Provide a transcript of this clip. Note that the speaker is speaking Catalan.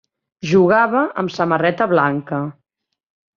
Jugava amb samarreta blanca.